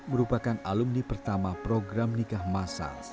merupakan alumni pertama program nikah masal